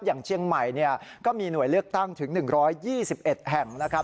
อย่างเชียงใหม่ก็มีหน่วยเลือกตั้งถึง๑๒๑แห่งนะครับ